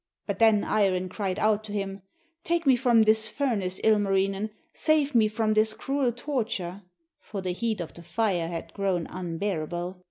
But then Iron cried out to him, 'Take me from this furnace, Ilmarinen, save me from this cruel torture!' for the heat of the fire had grown unbearable.